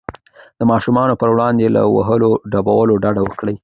د ماشومانو پر وړاندې له وهلو ډبولو ډډه وکړئ.